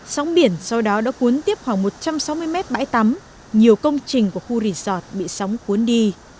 sóng biển sau đó đã cuốn tiếp khoảng một trăm sáu mươi mét bãi tắm nhiều công trình của khu resort bị sóng cuốn đi